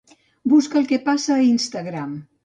Busca el que passa a Instagram.